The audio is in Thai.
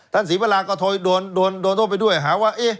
ท่านศรีเวลาก็โดนโทษไปด้วยหาว่า